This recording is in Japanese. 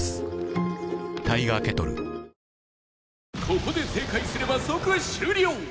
ここで正解すれば即終了！